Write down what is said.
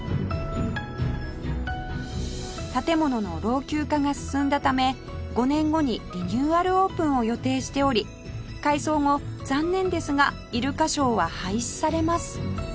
建物の老朽化が進んだため５年後にリニューアルオープンを予定しており改装後残念ですがイルカショーは廃止されます